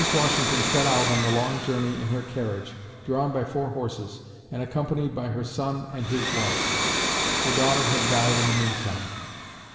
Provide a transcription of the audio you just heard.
Washington set out on the long journey in her carriage, drawn by four horses, and accompanied by her son and his wife. (Her daughter had died in the meantime.)